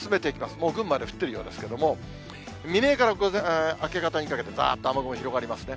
もう群馬で降っているようですけれども、未明から明け方にかけてざーっと雨雲広がりますね。